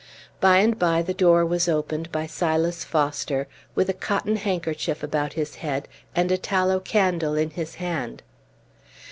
By and by the door was opened by Silas Foster, with a cotton handkerchief about his head, and a tallow candle in his hand.